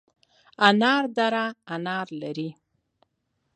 انار دره انار لري؟